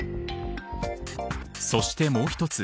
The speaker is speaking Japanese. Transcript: そしてもう１つ。